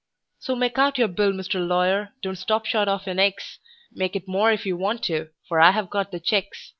So make out your bill, Mr. Lawyer: don't stop short of an X; Make it more if you want to, for I have got the checks.